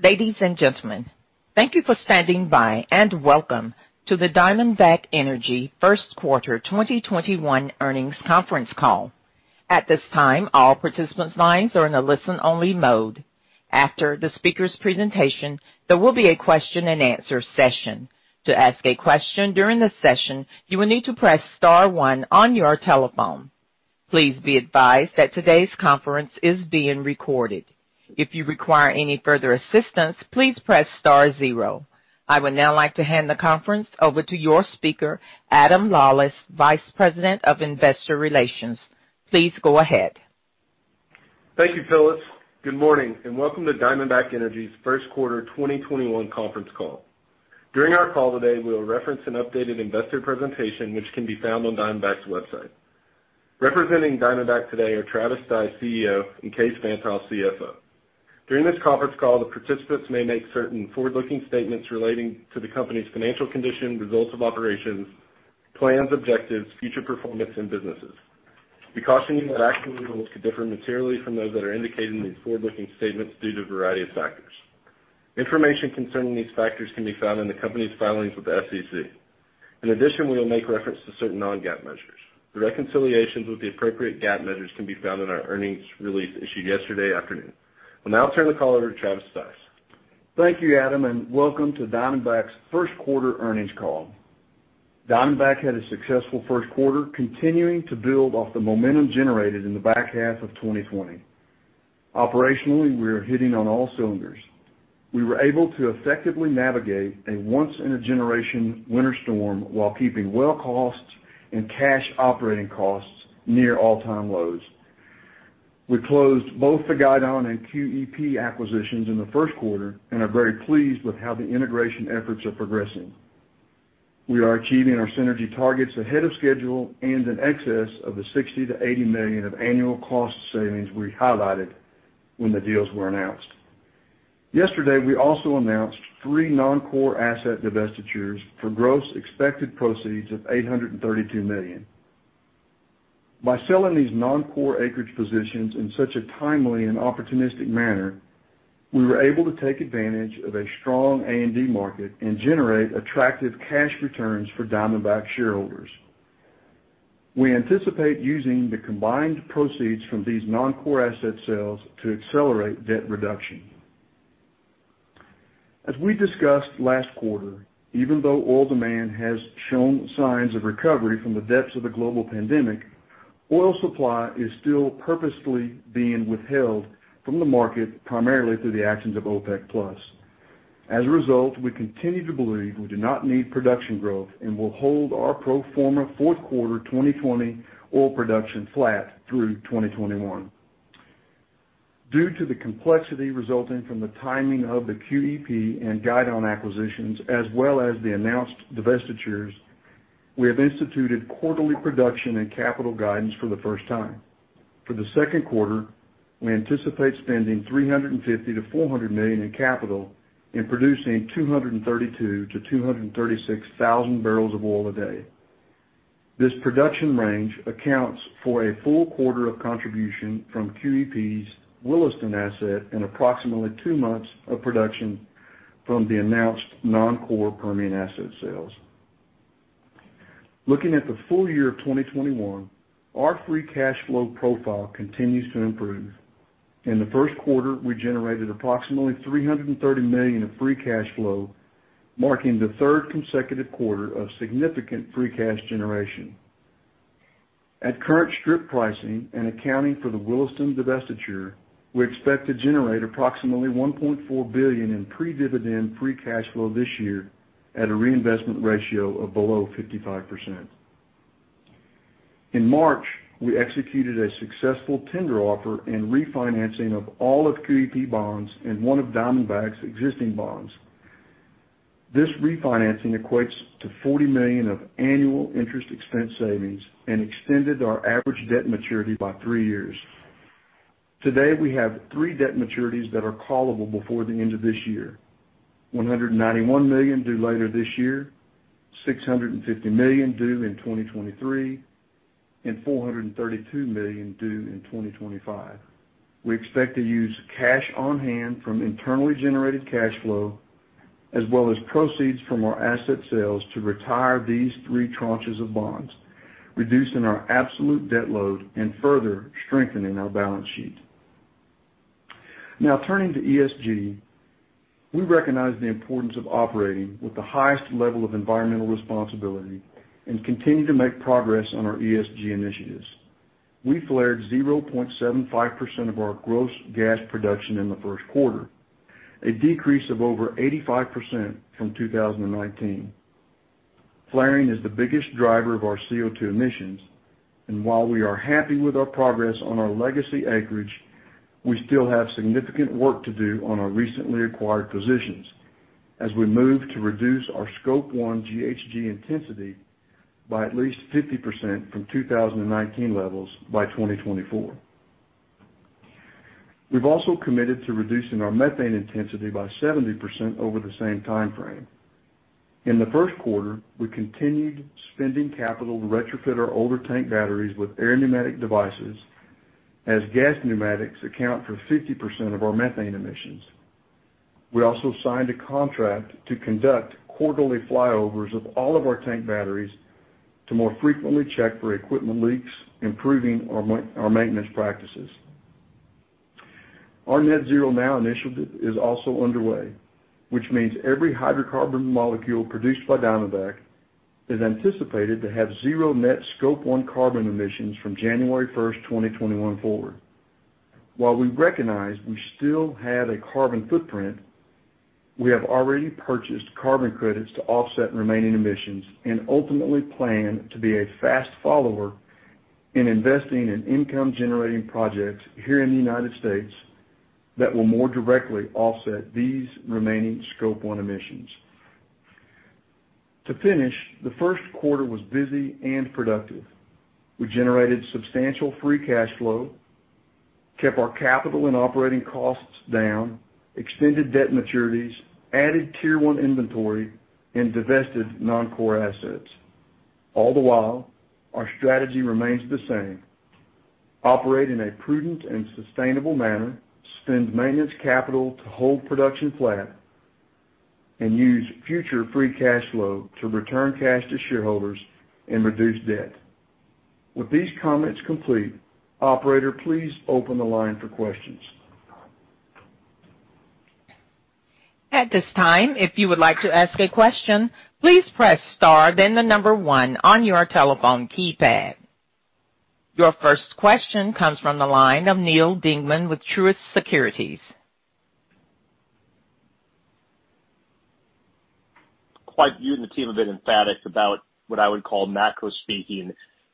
Ladies and gentlemen, thank you for standing by, and welcome to the Diamondback Energy first quarter 2021 earnings conference call. At this time, all participants' lines are in a listen-only mode. After the speakers' presentation, there will be a question-and-answer session. To ask a question during the session, you will need to press star one on your telephone. Please be advised that today's conference is being recorded. If you require any further assistance, please press star zero. I would now like to hand the conference over to your speaker, Adam Lawlis, Vice President of Investor Relations. Please go ahead. Thank you, Phyllis. Good morning, and welcome to Diamondback Energy's first quarter 2021 conference call. During our call today, we'll reference an updated investor presentation, which can be found on Diamondback's website. Representing Diamondback today are Travis Stice, CEO, and Kaes Van't Hof, CFO. During this conference call, the participants may make certain forward-looking statements relating to the company's financial condition, results of operations, plans, objectives, future performance, and businesses. We caution you that actual results could differ materially from those that are indicated in these forward-looking statements due to a variety of factors. Information concerning these factors can be found in the company's filings with the SEC. In addition, we will make reference to certain non-GAAP measures. The reconciliations with the appropriate GAAP measures can be found in our earnings release issued yesterday afternoon. I'll now turn the call over to Travis Stice. Thank you, Adam, and welcome to Diamondback's first quarter earnings call. Diamondback had a successful first quarter, continuing to build off the momentum generated in the back half of 2020. Operationally, we are hitting on all cylinders. We were able to effectively navigate a once-in-a-generation winter storm while keeping well costs and cash operating costs near all-time lows. We closed both the Guidon and QEP acquisitions in the first quarter and are very pleased with how the integration efforts are progressing. We are achieving our synergy targets ahead of schedule and in excess of the $60 million-$80 million of annual cost savings we highlighted when the deals were announced. Yesterday, we also announced three non-core asset divestitures for gross expected proceeds of $832 million. By selling these non-core acreage positions in such a timely and opportunistic manner, we were able to take advantage of a strong A&D market and generate attractive cash returns for Diamondback shareholders. We anticipate using the combined proceeds from these non-core asset sales to accelerate debt reduction. As we discussed last quarter, even though oil demand has shown signs of recovery from the depths of the global pandemic, oil supply is still purposefully being withheld from the market, primarily through the actions of OPEC+. As a result, we continue to believe we do not need production growth and will hold our pro forma fourth quarter 2020 oil production flat through 2021. Due to the complexity resulting from the timing of the QEP and Guidon acquisitions, as well as the announced divestitures, we have instituted quarterly production and capital guidance for the first time. For the second quarter, we anticipate spending $350 million to $400 million in capital and producing 232,000 to 236,000 barrels of oil a day. This production range accounts for a full quarter of contribution from QEP's Williston asset and approximately two months of production from the announced non-core Permian asset sales. Looking at the full year of 2021, our free cash flow profile continues to improve. In the first quarter, we generated approximately $330 million of free cash flow, marking the third consecutive quarter of significant free cash generation. At current strip pricing and accounting for the Williston divestiture, we expect to generate approximately $1.4 billion in pre-dividend free cash flow this year at a reinvestment ratio of below 55%. In March, we executed a successful tender offer and refinancing of all of QEP bonds and one of Diamondback's existing bonds. This refinancing equates to $40 million of annual interest expense savings and extended our average debt maturity by three years. Today, we have three debt maturities that are callable before the end of this year: $191 million due later this year, $650 million due in 2023, and $432 million due in 2025. We expect to use cash on hand from internally generated cash flow, as well as proceeds from our asset sales to retire these three tranches of bonds, reducing our absolute debt load and further strengthening our balance sheet. Turning to ESG, we recognize the importance of operating with the highest level of environmental responsibility and continue to make progress on our ESG initiatives. We flared 0.75% of our gross gas production in the first quarter, a decrease of over 85% from 2019. Flaring is the biggest driver of our CO2 emissions, and while we are happy with our progress on our legacy acreage, we still have significant work to do on our recently acquired positions as we move to reduce our Scope 1 GHG intensity by at least 50% from 2019 levels by 2024. We've also committed to reducing our methane intensity by 70% over the same timeframe. In the first quarter, we continued spending capital to retrofit our older tank batteries with air pneumatic devices as gas pneumatics account for 50% of our methane emissions. We also signed a contract to conduct quarterly flyovers of all of our tank batteries to more frequently check for equipment leaks, improving our maintenance practices. Our Net Zero Now initiative is also underway, which means every hydrocarbon molecule produced by Diamondback is anticipated to have zero net Scope 1 carbon emissions from January 1st, 2021 forward. While we recognize we still have a carbon footprint, we have already purchased carbon credits to offset remaining emissions and ultimately plan to be a fast follower in investing in income-generating projects here in the United States that will more directly offset these remaining Scope 1 emissions. To finish, the first quarter was busy and productive. We generated substantial free cash flow, kept our capital and operating costs down, extended debt maturities, added Tier 1 inventory, and divested non-core assets. All the while, our strategy remains the same: operate in a prudent and sustainable manner, spend maintenance capital to hold production flat, and use future free cash flow to return cash to shareholders and reduce debt. With these comments complete, operator, please open the line for questions. Your first question comes from the line of Neal Dingmann with Truist Securities. Quite you and the team have been emphatic about what I would call macro speaking,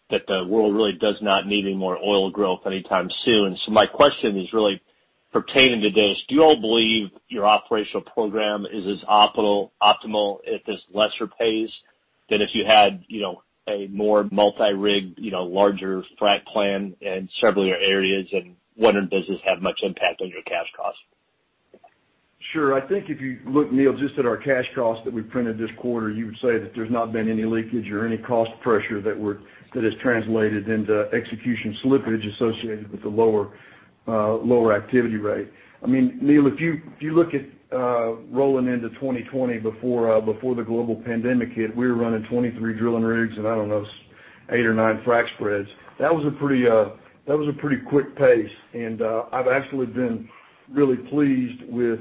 that the world really does not need any more oil growth anytime soon. My question is really pertaining to this. Do you all believe your operational program is as optimal at this lesser pace than if you had a more multi-rig, larger frac plan in several of your areas? Wondering, does this have much impact on your cash cost? I think if you look, Neal, just at our cash cost that we printed this quarter, you would say that there's not been any leakage or any cost pressure that has translated into execution slippage associated with the lower activity rate. Neal, if you look at rolling into 2020 before the global pandemic hit, we were running 23 drilling rigs, and I don't know, eight or nine frac spreads. That was a pretty quick pace, and I've actually been really pleased with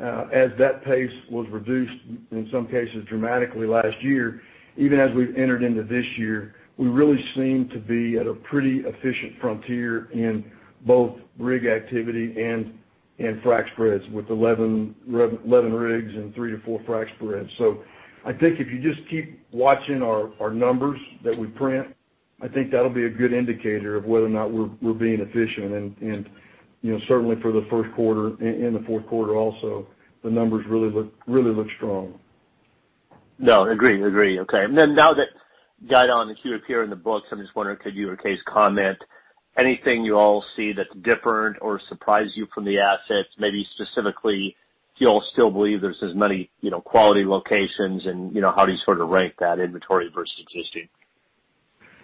as that pace was reduced, in some cases dramatically last year, even as we've entered into this year, we really seem to be at a pretty efficient frontier in both rig activity and frac spreads with 11 rigs and three to four frac spreads. I think if you just keep watching our numbers that we print, I think that'll be a good indicator of whether or not we're being efficient. Certainly for the first quarter and the fourth quarter also, the numbers really look strong. No, agree. Okay. Then now that Guidon and QEP are in the books, I'm just wondering, could you or Kaes comment anything you all see that's different or surprise you from the assets? Maybe specifically, do you all still believe there's as many quality locations, and how do you sort of rank that inventory versus existing?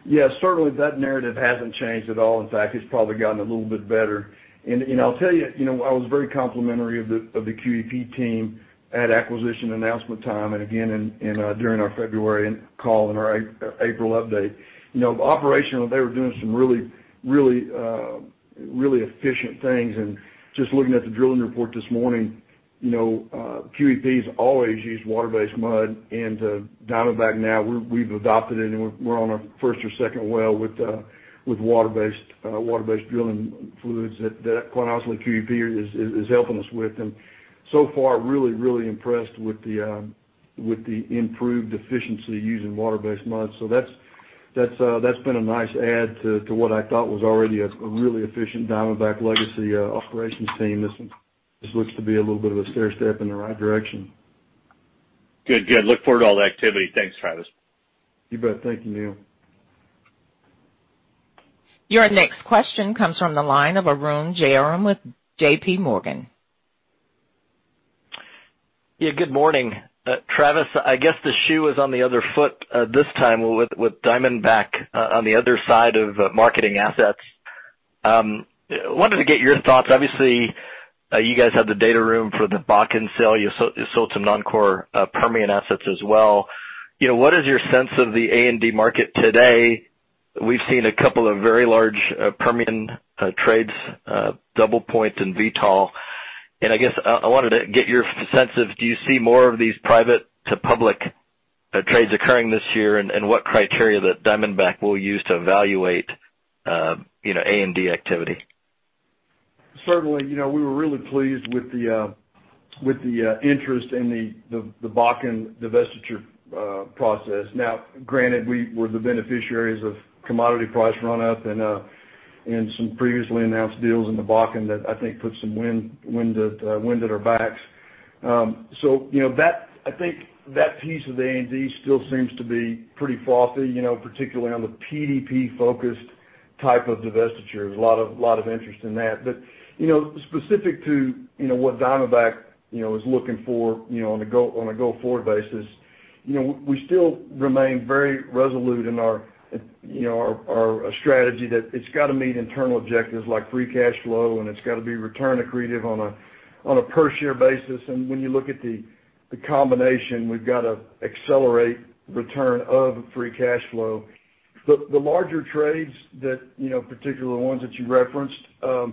Yeah. Certainly, that narrative hasn't changed at all. In fact, it's probably gotten a little bit better. I'll tell you, I was very complimentary of the QEP team at acquisition announcement time and again during our February call and our April update. Operationally, they were doing some really efficient things. Just looking at the drilling report this morning, QEP's always used water-based mud, and Diamondback now, we've adopted it, and we're on our first or second well with water-based drilling fluids that, quite honestly, QEP is helping us with. So far, really impressed with the improved efficiency using water-based mud. That's been a nice add to what I thought was already a really efficient Diamondback legacy operations team. This looks to be a little bit of a stairstep in the right direction. Good. Look forward to all the activity. Thanks, Travis. You bet. Thank you, Neal. Your next question comes from the line of Arun Jayaram with JPMorgan. Yeah, good morning. Travis, I guess the shoe is on the other foot this time with Diamondback on the other side of marketing assets. Wanted to get your thoughts. Obviously, you guys have the data room for the Bakken sale. You sold some non-core Permian assets as well. What is your sense of the A&D market today? We've seen a couple of very large Permian trades, DoublePoint and Vitol. I guess I wanted to get your sense of do you see more of these private to public trades occurring this year, and what criteria that Diamondback will use to evaluate A&D activity? Certainly. We were really pleased with the interest in the Bakken divestiture process. Now, granted, we're the beneficiaries of commodity price run up and some previously announced deals in the Bakken that I think put some wind at our backs. I think that piece of the A&D still seems to be pretty frothy, particularly on the PDP focused of divestiture. There's a lot of interest in that. Specific to what Diamondback is looking for on a go-forward basis, we still remain very resolute in our strategy that it's got to meet internal objectives like free cash flow, and it's got to be return accretive on a per share basis. When you look at the combination, we've got to accelerate return of free cash flow. The larger trades that, particular ones that you referenced, the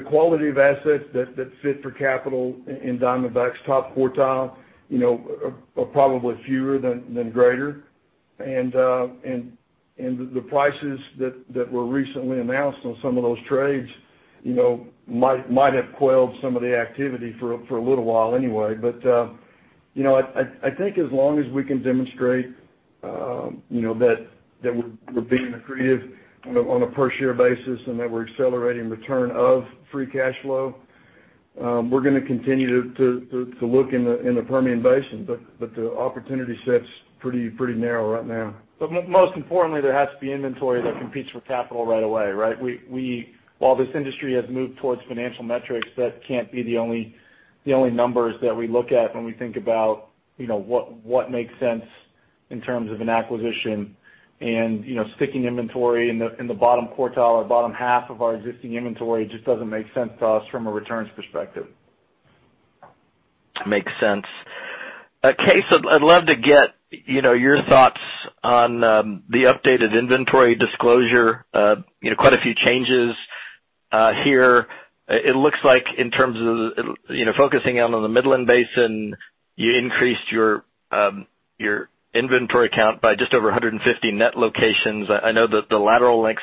quality of assets that fit for capital in Diamondback's top quartile are probably fewer than greater. The prices that were recently announced on some of those trades might have quelled some of the activity for a little while anyway. I think as long as we can demonstrate that we're being accretive on a per share basis and that we're accelerating return of free cash flow, we're going to continue to look in the Permian Basin, but the opportunity set's pretty narrow right now. Most importantly, there has to be inventory that competes for capital right away, right? While this industry has moved towards financial metrics, that can't be the only numbers that we look at when we think about what makes sense in terms of an acquisition. Sticking inventory in the bottom quartile or bottom half of our existing inventory just doesn't make sense to us from a returns perspective. Makes sense. Kaes, I'd love to get your thoughts on the updated inventory disclosure. Quite a few changes here. It looks like in terms of focusing out on the Midland Basin, you increased your inventory count by just over 150 net locations. I know that the lateral links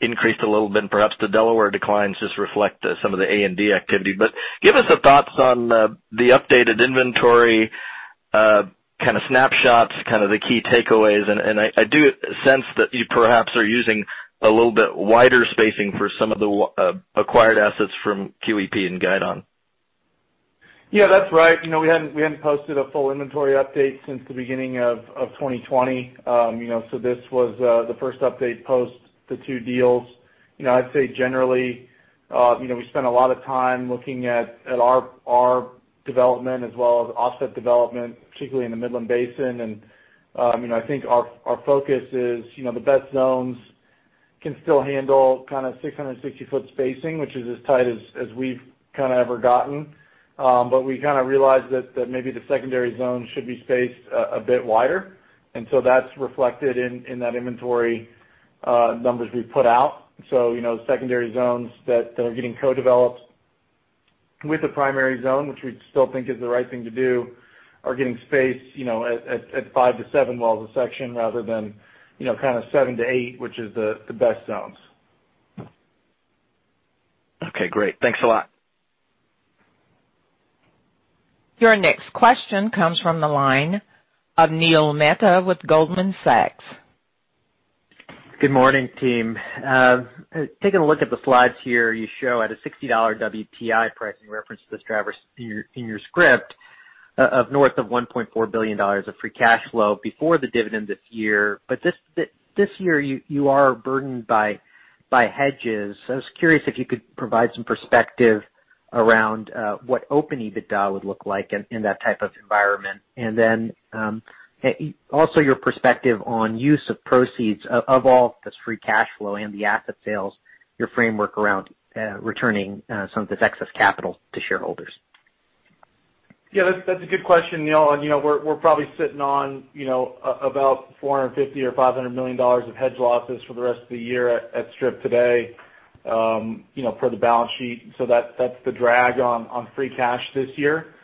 increased a little bit, and perhaps the Delaware declines just reflect some of the A&D activity. Give us the thoughts on the updated inventory kind of snapshots, kind of the key takeaways. I do sense that you perhaps are using a little bit wider spacing for some of the acquired assets from QEP and Guidon. Yeah, that's right. We hadn't posted a full inventory update since the beginning of 2020. This was the first update post the two deals. I'd say generally we spent a lot of time looking at our development as well as offset development, particularly in the Midland Basin. I think our focus is the best zones can still handle kind of 660-foot spacing, which is as tight as we've kind of ever gotten. We kind of realized that maybe the secondary zone should be spaced a bit wider. That's reflected in that inventory numbers we put out. Secondary zones that are getting co-developed with the primary zone, which we still think is the right thing to do, are getting spaced at five to seven wells a section rather than kind of seven to eight, which is the best zones. Okay, great. Thanks a lot. Your next question comes from the line of Neil Mehta with Goldman Sachs. Good morning, team. Taking a look at the slides here, you show at a $60 WTI price, in reference to this, Travis, in your script, of north of $1.4 billion of free cash flow before the dividend this year. This year, you are burdened by hedges. I was curious if you could provide some perspective around what open EBITDA would look like in that type of environment. Also your perspective on use of proceeds of all this free cash flow and the asset sales, your framework around returning some of this excess capital to shareholders. Yeah, that's a good question, Neil. We're probably sitting on about $450 million or $500 million of hedge losses for the rest of the year at strip today for the balance sheet. That's the drag on free cash this year.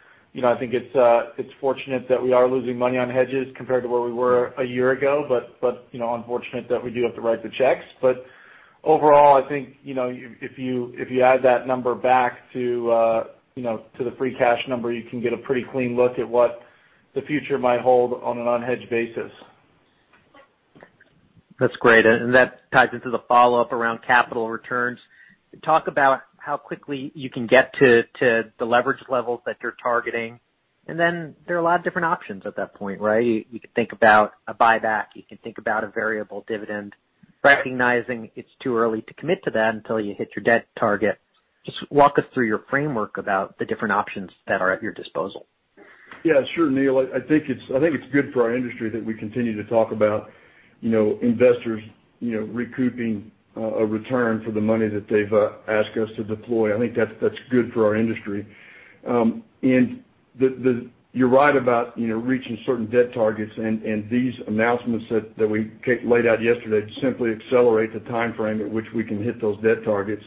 I think it's fortunate that we are losing money on hedges compared to where we were a year ago, but unfortunate that we do have to write the checks. Overall, I think if you add that number back to the free cash number, you can get a pretty clean look at what the future might hold on an unhedged basis. That's great. That ties into the follow-up around capital returns. Talk about how quickly you can get to the leverage levels that you're targeting, and then there are a lot of different options at that point, right? You could think about a buyback, you can think about a variable dividend. Recognizing it's too early to commit to that until you hit your debt target, just walk us through your framework about the different options that are at your disposal. Yeah, sure, Neil. I think it's good for our industry that we continue to talk about investors recouping a return for the money that they've asked us to deploy. I think that's good for our industry. You're right about reaching certain debt targets, and these announcements that we laid out yesterday simply accelerate the timeframe at which we can hit those debt targets.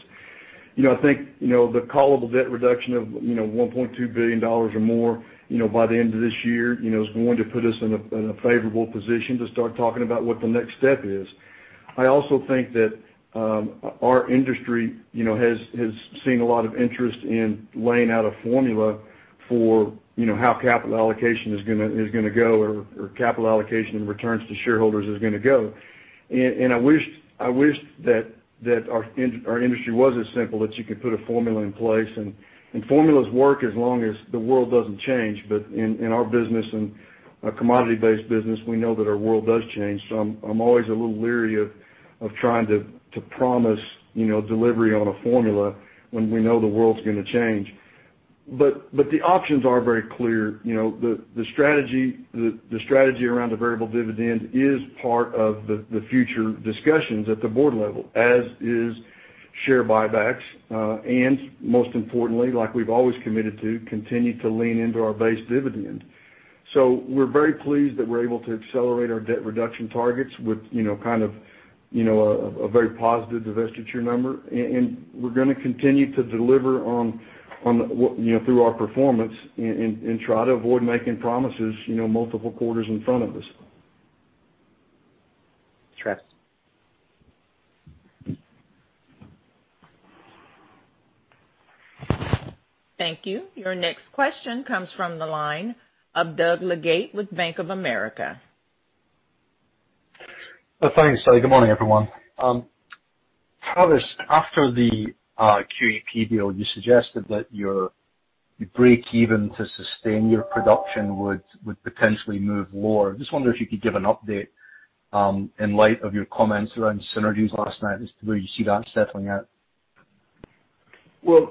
I think the callable debt reduction of $1.2 billion or more by the end of this year is going to put us in a favorable position to start talking about what the next step is. I also think that our industry has seen a lot of interest in laying out a formula for how capital allocation is going to go or capital allocation and returns to shareholders is going to go. I wish that our industry was as simple that you could put a formula in place, and formulas work as long as the world doesn't change. In our business and a commodity-based business, we know that our world does change. I'm always a little leery of trying to promise delivery on a formula when we know the world's going to change. The options are very clear. The strategy around the variable dividend is part of the future discussions at the board level, as is share buybacks, and most importantly, like we've always committed to, continue to lean into our base dividend. We're very pleased that we're able to accelerate our debt reduction targets with a very positive divestiture number. We're going to continue to deliver through our performance and try to avoid making promises multiple quarters in front of us. Thank you, Travis. Thank you. Your next question comes from the line of Doug Leggate with Bank of America. Thanks. Good morning, everyone. Travis, after the QEP deal, you suggested that your breakeven to sustain your production would potentially move lower. Just wonder if you could give an update in light of your comments around synergies last night as to where you see that settling at? Well,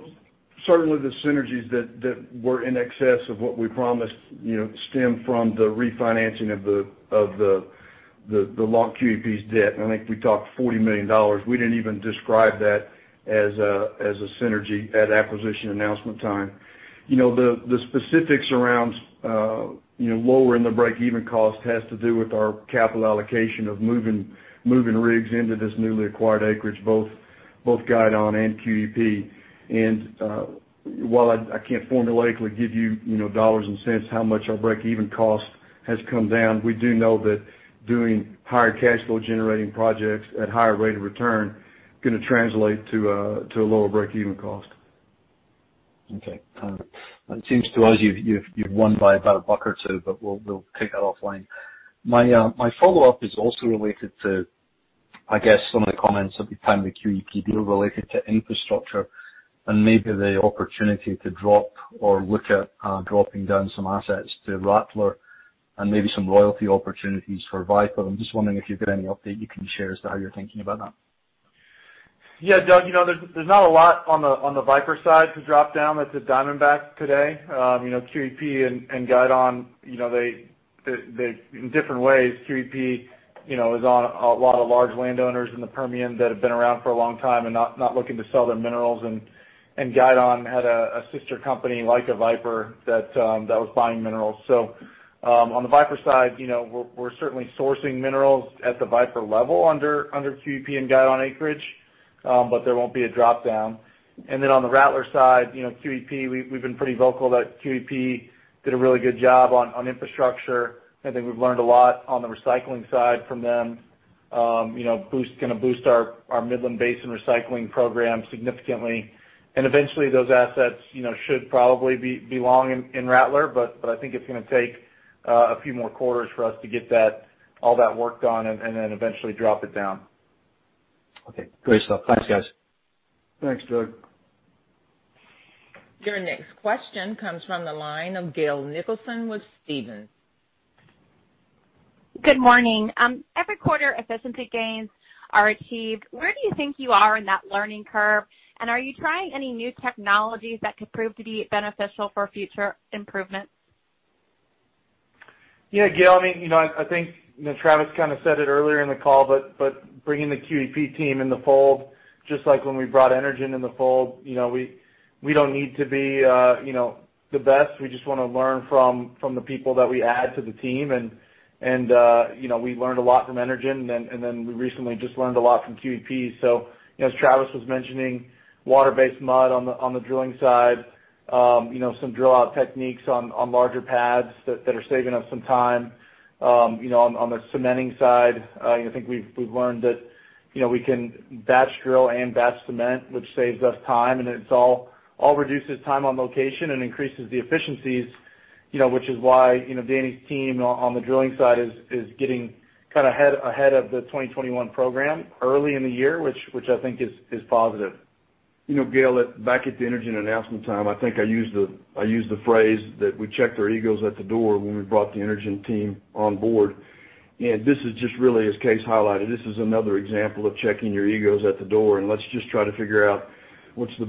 certainly the synergies that were in excess of what we promised stem from the refinancing of the locked-in QEP's debt, and I think we talked $40 million. We didn't even describe that as a synergy at acquisition announcement time. The specifics around lowering the breakeven cost has to do with our capital allocation of moving rigs into this newly acquired acreage, both Guidon and QEP. While I can't formulaically give you dollars and cents how much our breakeven cost has come down, we do know that doing higher cash flow generating projects at higher rate of return going to translate to a lower breakeven cost. Okay. It seems to us you've won by about $1 or $2, but we'll take that offline. My follow-up is also related to, I guess, some of the comments at the time of the QEP deal related to infrastructure and maybe the opportunity to drop or look at dropping down some assets to Rattler and maybe some royalty opportunities for Viper. I'm just wondering if you've got any update you can share as to how you're thinking about that. Yeah, Doug, there's not a lot on the Viper side to drop down that's at Diamondback today. QEP and Guidon, in different ways, QEP is on a lot of large landowners in the Permian that have been around for a long time and not looking to sell their minerals, and Guidon had a sister company like Viper that was buying minerals. On the Viper side, we're certainly sourcing minerals at the Viper level under QEP and Guidon acreage. There won't be a drop-down. On the Rattler side, QEP, we've been pretty vocal that QEP did a really good job on infrastructure. I think we've learned a lot on the recycling side from them, going to boost our Midland Basin recycling program significantly. Eventually, those assets should probably belong in Rattler, but I think it's going to take a few more quarters for us to get all that work done and then eventually drop it down. Okay. Great stuff. Thanks, guys. Thanks, Doug. Your next question comes from the line of Gail Nicholson with Stephens. Good morning. Every quarter, efficiency gains are achieved. Where do you think you are in that learning curve, and are you trying any new technologies that could prove to be beneficial for future improvements? Gail, I think Travis kind of said it earlier in the call, bringing the QEP team in the fold, just like when we brought Energen in the fold, we don't need to be the best. We just want to learn from the people that we add to the team, we learned a lot from Energen, then we recently just learned a lot from QEP. As Travis was mentioning, water-based mud on the drilling side, some drill out techniques on larger pads that are saving us some time. On the cementing side, I think we've learned that we can batch drill and batch cement, which saves us time, and it all reduces time on location and increases the efficiencies, which is why Danny's team on the drilling side is getting kind of ahead of the 2021 program early in the year, which I think is positive. Gail, back at the Energen announcement time, I think I used the phrase that we checked our egos at the door when we brought the Energen team on board. This is just really, as Kaes highlighted, this is another example of checking your egos at the door, and let's just try to figure out what's the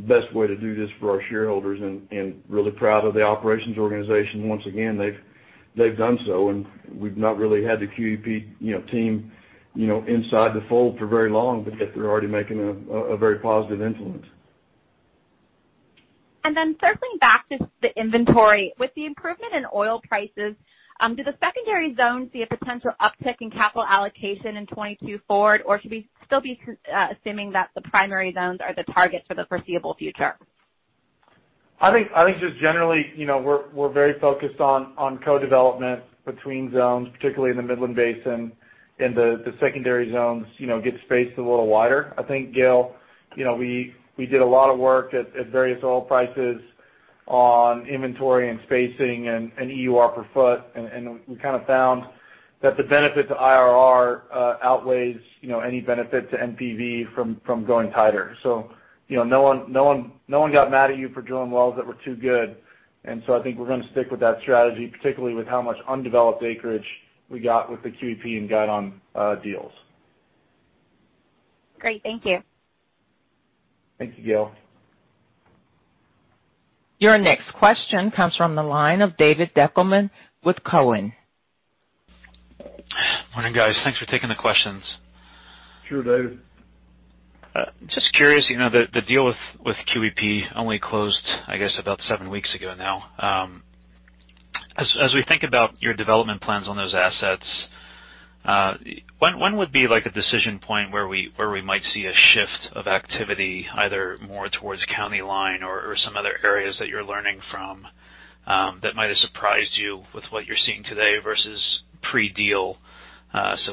best way to do this for our shareholders, and really proud of the operations organization. Once again, they've done so, and we've not really had the QEP team inside the fold for very long, but yet they're already making a very positive influence. Circling back to the inventory. With the improvement in oil prices, do the secondary zones see a potential uptick in capital allocation in 2022 forward, or should we still be assuming that the primary zones are the target for the foreseeable future? I think just generally, we're very focused on co-development between zones, particularly in the Midland Basin, and the secondary zones get spaced a little wider. I think, Gail, we did a lot of work at various oil prices on inventory and spacing and EUR per foot. We kind of found that the benefit to IRR outweighs any benefit to NPV from going tighter. No one got mad at you for drilling wells that were too good. I think we're going to stick with that strategy, particularly with how much undeveloped acreage we got with the QEP and Guidon deals. Great. Thank you. Thank you, Gail. Your next question comes from the line of David Deckelbaum with Cowen. Morning, guys. Thanks for taking the questions. Sure, David. Just curious, the deal with QEP only closed, I guess, about seven weeks ago now. As we think about your development plans on those assets, when would be like a decision point where we might see a shift of activity, either more towards County Line or some other areas that you're learning from, that might have surprised you with what you're seeing today versus pre-deal?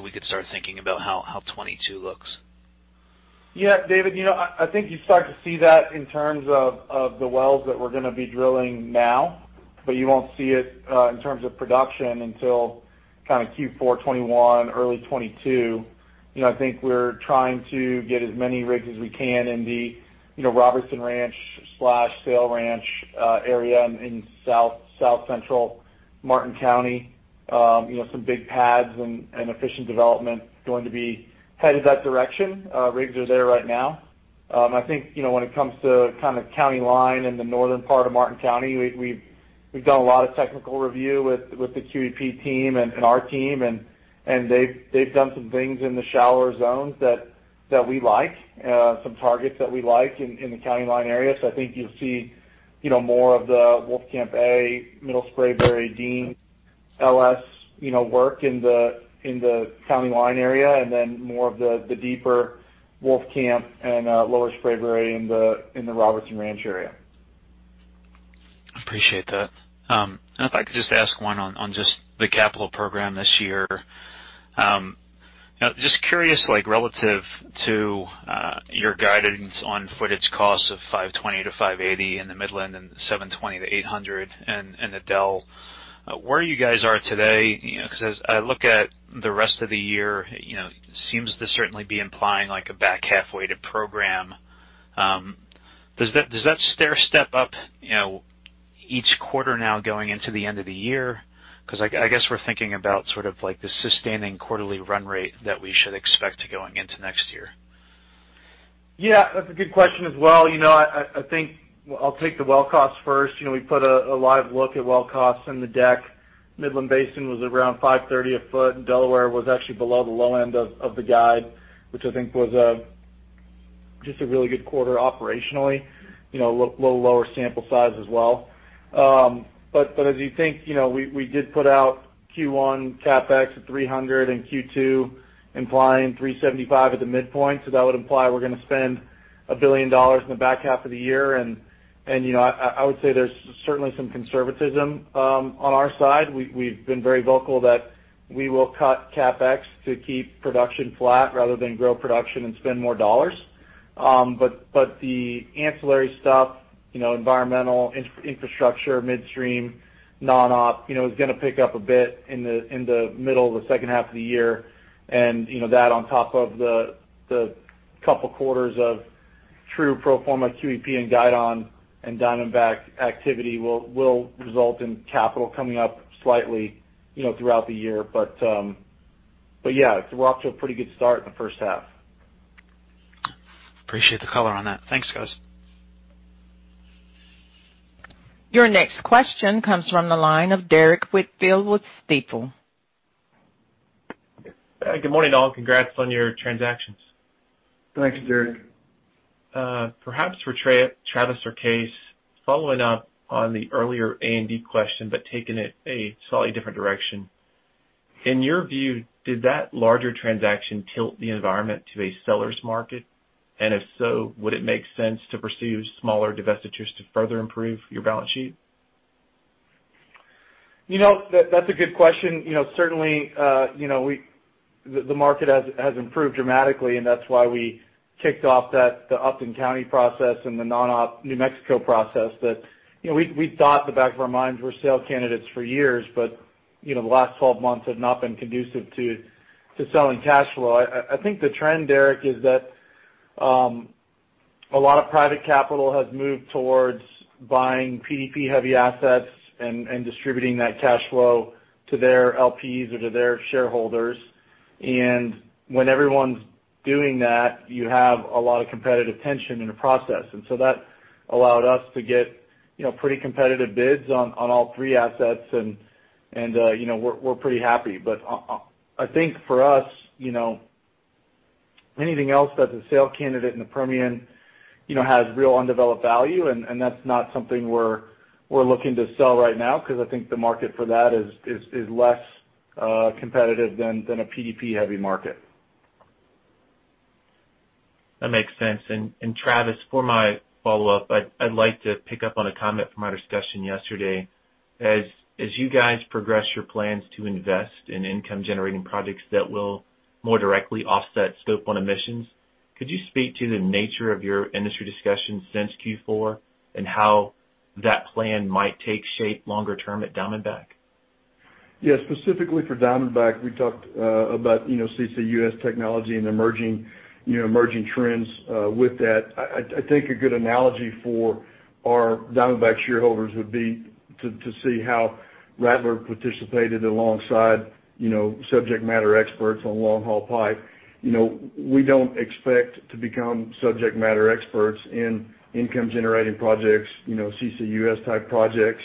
We could start thinking about how 2022 looks. David, I think you start to see that in terms of the wells that we're going to be drilling now, but you won't see it in terms of production until kind of Q4 2021, early 2022. We're trying to get as many rigs as we can in the Robertson Ranch/Sale Ranch area in South Central Martin County. Some big pads and efficient development going to be headed that direction. Rigs are there right now. When it comes to County Line in the northern part of Martin County, we've done a lot of technical review with the QEP team and our team, and they've done some things in the shallower zones that we like. Some targets that we like in the County Line area. I think you'll see more of the Wolfcamp A, Middle Spraberry, Dean Formation work in the County Line area, and then more of the deeper Wolfcamp and Lower Spraberry in the Robertson Ranch area. Appreciate that. If I could just ask one on just the capital program this year. Just curious, like relative to your guidance on footage costs of $520-$580 in the Midland and $720-$800 in the Delaware, where you guys are today, because as I look at the rest of the year, it seems to certainly be implying like a back half-weighted program. Does that stair-step up each quarter now going into the end of the year? Because I guess we're thinking about sort of like the sustaining quarterly run rate that we should expect going into next year. Yeah, that's a good question as well. I think I'll take the well cost first. We put a live look at well costs in the deck. Midland Basin was around $530 a foot. Delaware was actually below the low end of the guide, which I think was just a really good quarter operationally. A little lower sample size as well. As you think, we did put out Q1 CapEx at $300 and Q2 implying $375 at the midpoint. That would imply we're going to spend $1 billion in the back half of the year. I would say there's certainly some conservatism on our side. We've been very vocal that we will cut CapEx to keep production flat rather than grow production and spend more dollars. The ancillary stuff, environmental infrastructure, midstream, non-op, is going to pick up a bit in the middle of the second half of the year. That on top of the two quarters of true pro forma QEP and Guidon and Diamondback activity will result in capital coming up slightly throughout the year. Yeah, we're off to a pretty good start in the first half. Appreciate the color on that. Thanks, guys. Your next question comes from the line of Derrick Whitfield with Stifel. Good morning, all. Congrats on your transactions. Thanks, Derrick. Perhaps for Travis or Kaes, following up on the earlier A&D question, but taking it a slightly different direction. In your view, did that larger transaction tilt the environment to a seller's market? If so, would it make sense to pursue smaller divestitures to further improve your balance sheet? That's a good question. Certainly, the market has improved dramatically, and that's why we kicked off the Upton County process and the non-op New Mexico process. We thought at the back of our minds we're sale candidates for years, but the last 12 months have not been conducive to selling cash flow. I think the trend, Derrick, is that a lot of private capital has moved towards buying PDP-heavy assets and distributing that cash flow to their LPs or to their shareholders. When everyone's doing that, you have a lot of competitive tension in the process. That allowed us to get pretty competitive bids on all three assets, and we're pretty happy. I think for us, anything else that's a sale candidate in the Permian has real undeveloped value, and that's not something we're looking to sell right now, because I think the market for that is less competitive than a PDP-heavy market. That makes sense. Travis, for my follow-up, I'd like to pick up on a comment from our discussion yesterday. As you guys progress your plans to invest in income-generating projects that will more directly offset Scope 1 emissions Could you speak to the nature of your industry discussions since Q4 and how that plan might take shape longer term at Diamondback? Yes, specifically for Diamondback, we talked about CCUS technology and emerging trends with that. I think a good analogy for our Diamondback shareholders would be to see how Rattler participated alongside subject matter experts on long-haul pipe. We don't expect to become subject matter experts in income-generating projects, CCUS-type projects.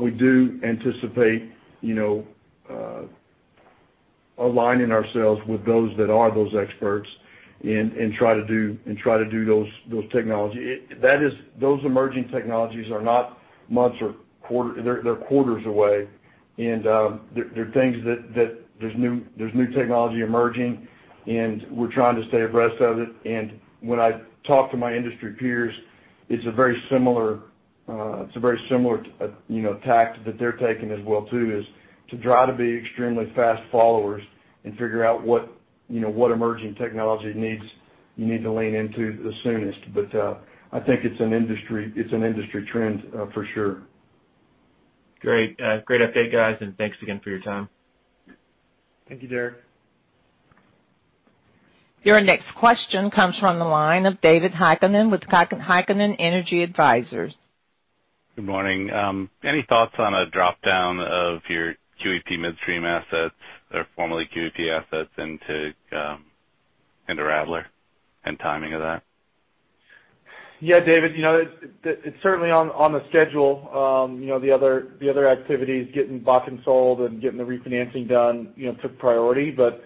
We do anticipate aligning ourselves with those that are experts and try to do those technologies. Those emerging technologies are not months or quarters away, and there's new technology emerging, and we're trying to stay abreast of it. When I talk to my industry peers, it's a very similar tack that they're taking as well, is to try to be extremely fast followers and figure out what emerging technology you need to lean into the soonest. I think it's an industry trend, for sure. Great update, guys, and thanks again for your time. Thank you, Derrick. Your next question comes from the line of David Heikkinen with Heikkinen Energy Advisors. Good morning. Any thoughts on a dropdown of your QEP midstream assets or formerly QEP assets into Rattler and timing of that? Yeah, David, it's certainly on the schedule. The other activities, getting Bakken sold and getting the refinancing done took priority. The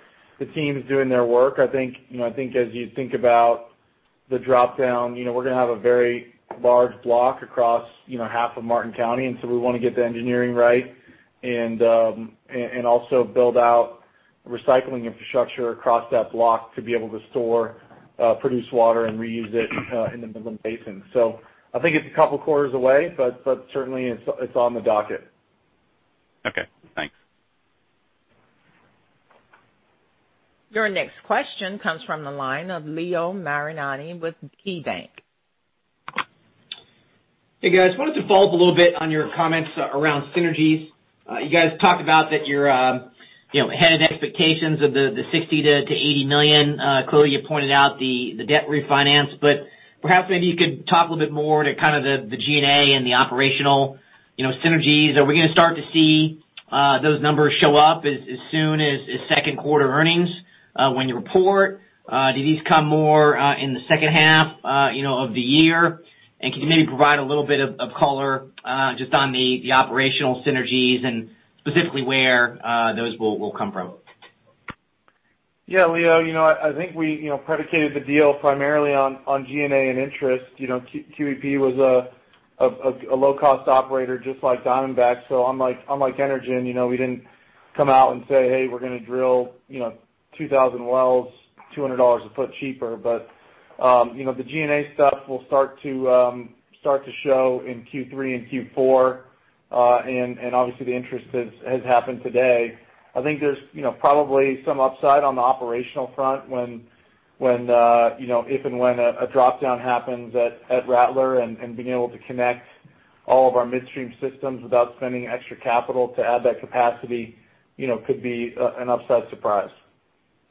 team's doing their work. I think as you think about the dropdown, we're going to have a very large block across half of Martin County, we want to get the engineering right and also build out recycling infrastructure across that block to be able to store produced water and reuse it in the Midland Basin. I think it's a couple of quarters away, but certainly it's on the docket. Okay, thanks. Your next question comes from the line of Leo Mariani with KeyBanc. Hey, guys. Wanted to follow up a little bit on your comments around synergies. You guys talked about that you're ahead of expectations of the $60 million-$80 million. Kaes, you pointed out the debt refinance, but perhaps maybe you could talk a little bit more to kind of the G&A and the operational synergies. Are we going to start to see those numbers show up as soon as second quarter earnings when you report? Do these come more in the second half of the year? Can you maybe provide a little bit of color just on the operational synergies and specifically where those will come from? Leo, I think we predicated the deal primarily on G&A and interest. QEP was a low-cost operator just like Diamondback. Unlike Energen, we didn't come out and say, "Hey, we're going to drill 2,000 wells, $200 a foot cheaper." The G&A stuff will start to show in Q3 and Q4. Obviously, the interest has happened today. I think there's probably some upside on the operational front if and when a dropdown happens at Rattler, and being able to connect all of our midstream systems without spending extra capital to add that capacity could be an upside surprise.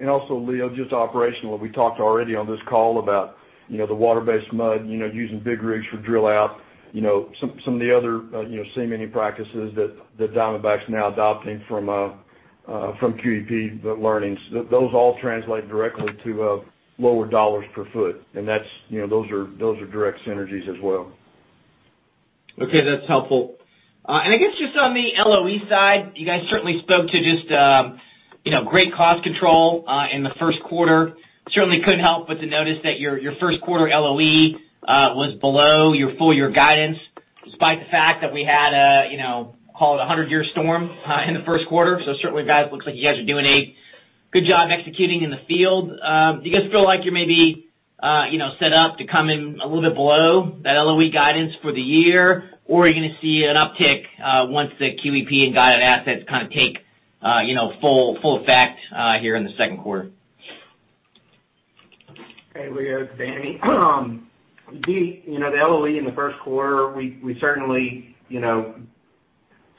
Also, Leo, just operational, we talked already on this call about the water-based mud, using big rigs for drill out, some of the other cementing practices that Diamondback's now adopting from QEP, the learnings. Those all translate directly to lower dollars per foot, and those are direct synergies as well. Okay, that's helpful. I guess just on the LOE side, you guys certainly spoke to just great cost control in the first quarter. Certainly couldn't help but to notice that your first quarter LOE was below your full-year guidance, despite the fact that we had a, call it 100-year storm in the first quarter. Certainly, guys, looks like you guys are doing a good job executing in the field. Do you guys feel like you're maybe set up to come in a little bit below that LOE guidance for the year? Or are you going to see an uptick once the QEP and Guidon assets kind of take full effect here in the second quarter? Hey, Leo, it's Danny. The LOE in the first quarter, we certainly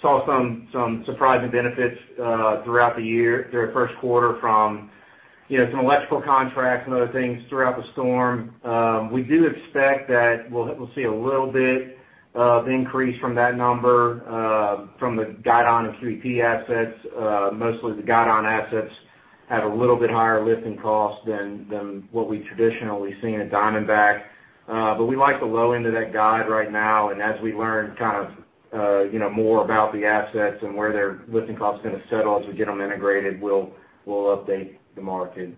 saw some surprising benefits throughout the year, through the first quarter from some electrical contracts and other things throughout the storm. We do expect that we'll see a little bit of increase from that number from the Guidon of QEP assets. Mostly the Guidon assets have a little bit higher lifting cost than what we traditionally see in a Diamondback. We like the low end of that guide right now, and as we learn more about the assets and where their lifting cost is going to settle as we get them integrated, we'll update the market.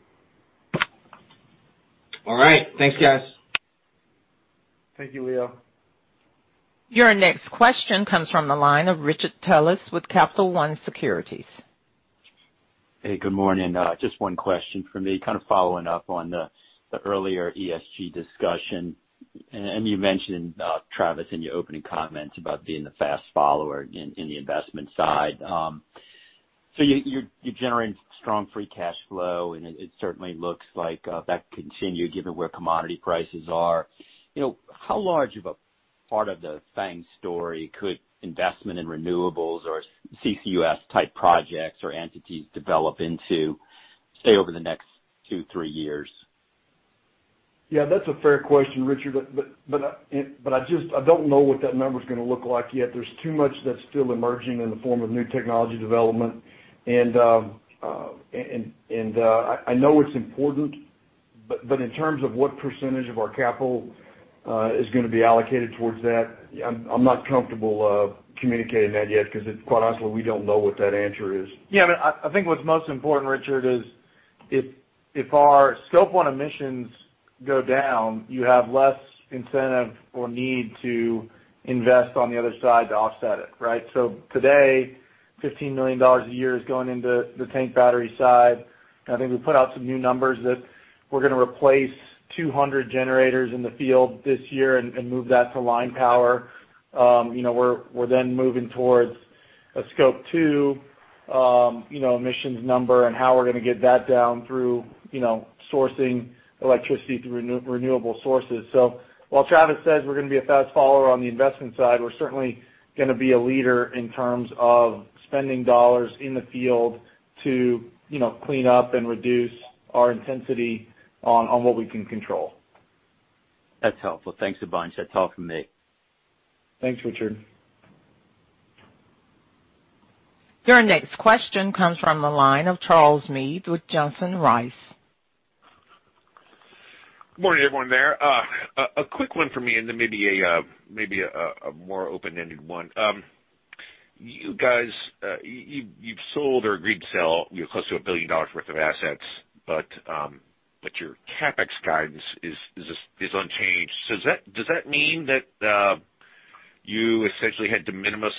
All right. Thanks, guys. Thank you, Leo. Your next question comes from the line of Richard Tullis with Capital One Securities. Hey, good morning. Just one question from me, kind of following up on the earlier ESG discussion. You mentioned, Travis, in your opening comments about being the fast follower in the investment side. You're generating strong free cash flow, and it certainly looks like that continued given where commodity prices are. How large of a part of the Fang story could investment in renewables or CCUS type projects or entities develop into, say, over the next two, three years? Yeah, that's a fair question, Richard. I don't know what that number's going to look like yet. There's too much that's still emerging in the form of new technology development. I know it's important, but in terms of what percentage of our capital is going to be allocated towards that, I'm not comfortable communicating that yet because quite honestly, we don't know what that answer is. I think what's most important, Richard, is if our Scope 1 emissions go down, you have less incentive or need to invest on the other side to offset it. Right? Today, $15 million a year is going into the tank battery side, and I think we put out some new numbers that we're going to replace 200 generators in the field this year and move that to line power. We're then moving towards a Scope 2 emissions number and how we're going to get that down through sourcing electricity through renewable sources. While Travis says we're going to be a fast follower on the investment side, we're certainly going to be a leader in terms of spending dollars in the field to clean up and reduce our intensity on what we can control. That's helpful. Thanks a bunch. That's all for me. Thanks, Richard. Your next question comes from the line of Charles Meade with Johnson Rice. Good morning, everyone there. A quick one for me and then maybe a more open-ended one. You guys, you've sold or agreed to sell close to $1 billion worth of assets, but your CapEx guidance is unchanged. Does that mean that you essentially had to minimize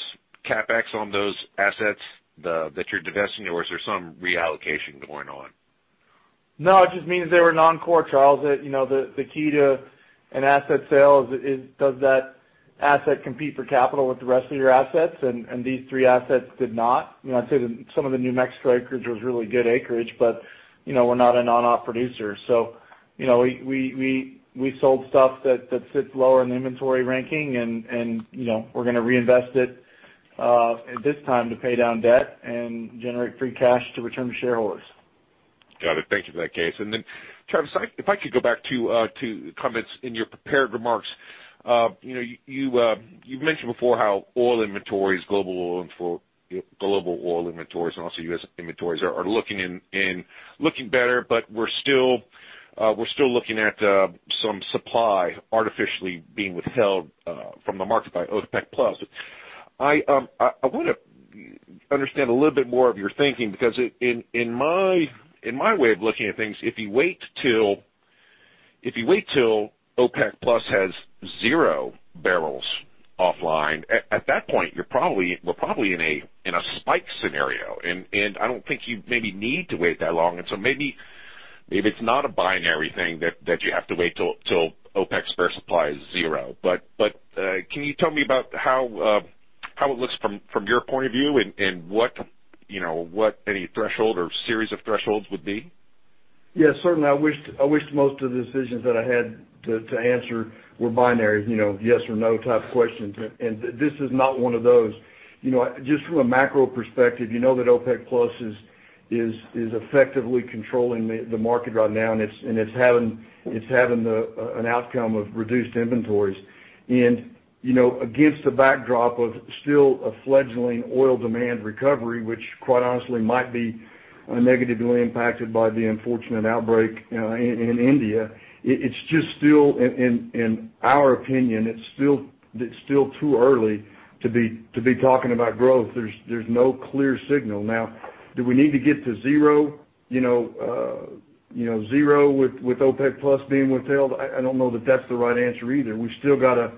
CapEx on those assets that you're divesting, or is there some reallocation going on? No, it just means they were non-core, Charles. The key to an asset sale is, does that asset compete for capital with the rest of your assets? These three assets did not. I'd say that some of the New Mexico acreage was really good acreage, but we're not a non-op producer. We sold stuff that sits lower in the inventory ranking, and we're going to reinvest it at this time to pay down debt and generate free cash to return to shareholders. Got it. Thank you for that, Kaes. Travis, if I could go back to comments in your prepared remarks. You've mentioned before how oil inventories, global oil inventories, and also U.S. inventories are looking better, but we're still looking at some supply artificially being withheld from the market by OPEC+. I want to understand a little bit more of your thinking, because in my way of looking at things, if you wait till OPEC+ has zero barrels offline, at that point, we're probably in a spike scenario, and I don't think you maybe need to wait that long. Maybe it's not a binary thing that you have to wait till OPEC spare supply is zero. Can you tell me about how it looks from your point of view and what any threshold or series of thresholds would be? Yeah, certainly I wish most of the decisions that I had to answer were binary, yes or no type questions. This is not one of those. Just from a macro perspective, you know that OPEC+ is effectively controlling the market right now, and it's having an outcome of reduced inventories. Against the backdrop of still a fledgling oil demand recovery, which quite honestly might be negatively impacted by the unfortunate outbreak in India. It's just still, in our opinion, it's still too early to be talking about growth. There's no clear signal. Now, do we need to get to zero with OPEC+ being withheld? I don't know that that's the right answer either. We still got to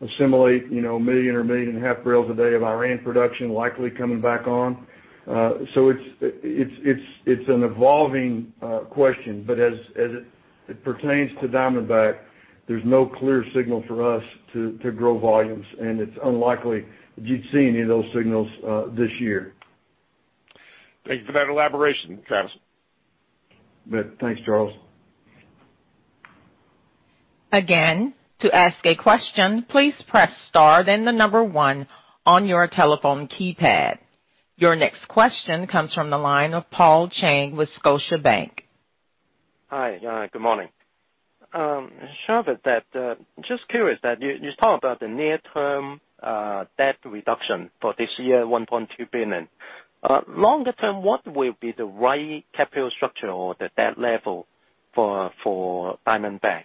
assimilate 1 million or 1.5 million barrels a day of Iran production likely coming back on. It's an evolving question, but as it pertains to Diamondback, there's no clear signal for us to grow volumes, and it's unlikely that you'd see any of those signals this year. Thank you for that elaboration, Travis. Thanks, Charles. To ask a question, please press star, then the number one on your telephone keypad. Your next question comes from the line of Paul Cheng with Scotiabank. Hi. Good morning. Travis, just curious that you talk about the near-term debt reduction for this year, $1.2 billion. Longer term, what will be the right capital structure or the debt level for Diamondback?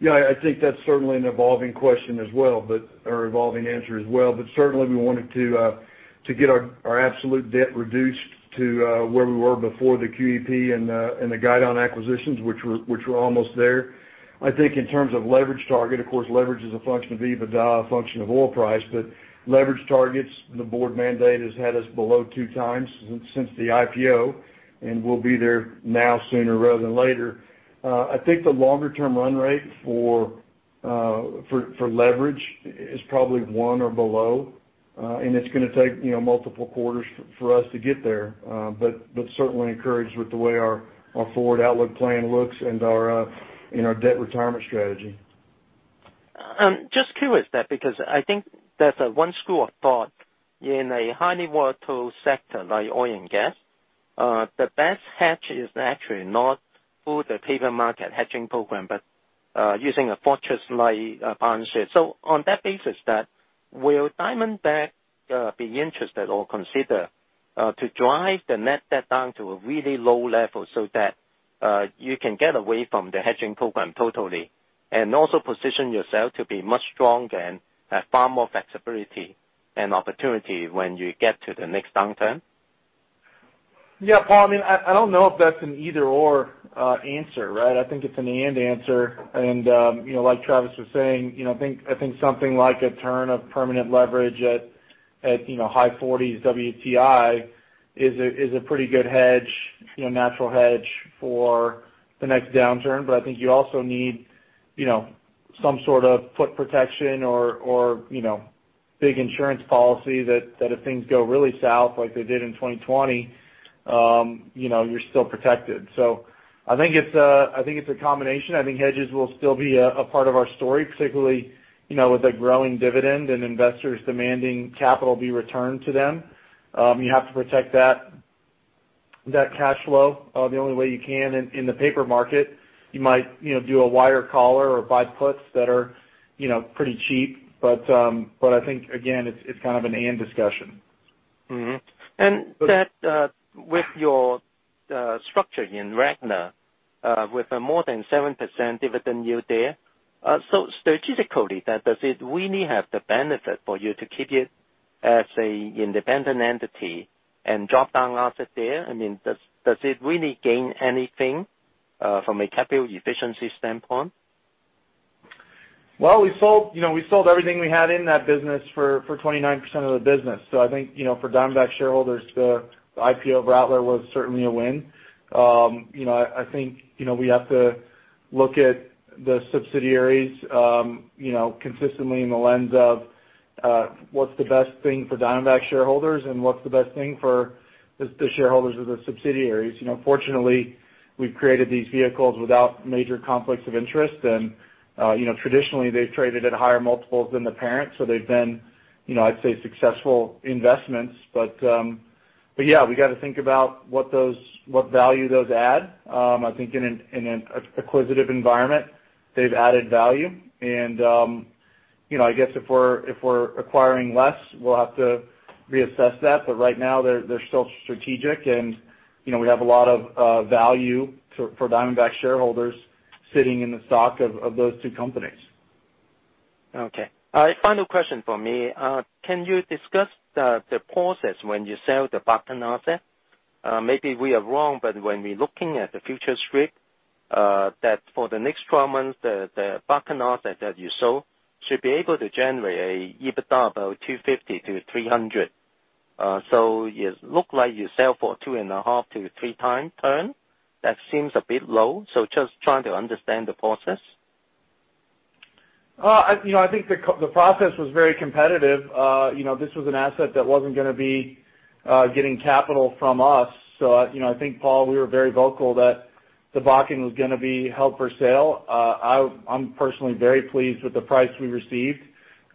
Yeah, I think that's certainly an evolving question as well, or evolving answer as well. Certainly we wanted to get our absolute debt reduced to where we were before the QEP and the Guidon acquisitions, which we're almost there. I think in terms of leverage target, of course, leverage is a function of EBITDA, a function of oil price, but leverage targets, the board mandate has had us below 2x since the IPO, and we'll be there now sooner rather than later. I think the longer-term run rate for For leverage, is probably one or below. It's going to take multiple quarters for us to get there. Certainly encouraged with the way our forward outlook plan looks and our debt retirement strategy. I'm just curious that, because I think there's one school of thought in a highly volatile sector like oil and gas, the best hedge is actually not through the paper market hedging program, but using a fortress-like balance sheet. On that basis, will Diamondback be interested or consider to drive the net debt down to a really low level so that you can get away from the hedging program totally and also position yourself to be much stronger and have far more flexibility and opportunity when you get to the next downturn? Yeah. Paul, I don't know if that's an either/or answer, right? I think it's an and answer. Like Travis was saying, I think something like a turn of permanent leverage at high 40s WTI is a pretty good hedge, natural hedge for the next downturn. I think you also need some sort of put protection or big insurance policy that if things go really south like they did in 2020, you're still protected. I think it's a combination. I think hedges will still be a part of our story, particularly with a growing dividend and investors demanding capital be returned to them. You have to protect that cash flow the only way you can in the paper market. You might do a wire collar or buy puts that are pretty cheap. I think again, it's kind of an and discussion. That with your structure in Rattler, with a more than 7% dividend yield there, strategically, does it really have the benefit for you to keep it as a independent entity and drop-down asset there? I mean, does it really gain anything from a capital efficiency standpoint? Well, we sold everything we had in that business for 29% of the business. I think for Diamondback shareholders, the IPO of Rattler was certainly a win. I think we have to look at the subsidiaries consistently in the lens of what's the best thing for Diamondback shareholders and what's the best thing for the shareholders of the subsidiaries. Fortunately, we've created these vehicles without major conflicts of interest. Traditionally, they've traded at higher multiples than the parent, they've been I'd say successful investments. Yeah, we got to think about what value those add. I think in an acquisitive environment, they've added value. I guess if we're acquiring less, we'll have to reassess that. Right now, they're still strategic, and we have a lot of value for Diamondback shareholders sitting in the stock of those two companies. Okay. Final question for me. Can you discuss the process when you sell the Bakken asset? Maybe we are wrong, but when we're looking at the future strip, that for the next 12 months, the Bakken asset that you sold should be able to generate a EBITDA about $250 to $300. It look like you sell for 2.5x to 3x turn. That seems a bit low. Just trying to understand the process. I think the process was very competitive. This was an asset that wasn't going to be getting capital from us. I think, Paul, we were very vocal that the Bakken was going to be held for sale. I'm personally very pleased with the price we received.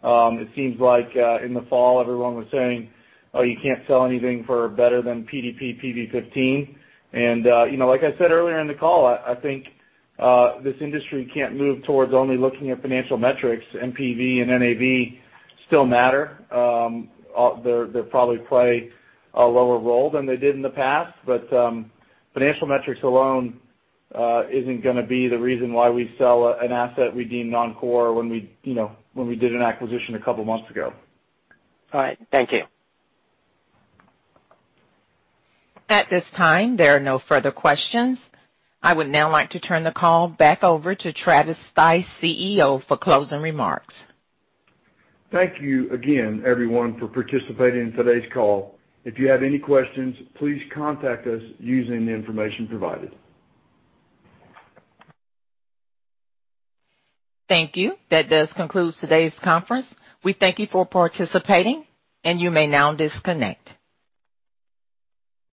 It seems like in the fall, everyone was saying, "Oh, you can't sell anything for better than PDP PV 15." Like I said earlier in the call, I think this industry can't move towards only looking at financial metrics. NPV and NAV still matter. They probably play a lower role than they did in the past. Financial metrics alone isn't going to be the reason why we sell an asset we deem non-core when we did an acquisition a couple months ago. All right. Thank you. At this time, there are no further questions. I would now like to turn the call back over to Travis Stice, CEO, for closing remarks. Thank you again, everyone, for participating in today's call. If you have any questions, please contact us using the information provided. Thank you. That does conclude today's conference. We thank you for participating, and you may now disconnect.